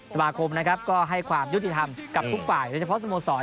สมาคมนะครับก็ให้ความยุติธรรมกับทุกฝ่ายโดยเฉพาะสโมสร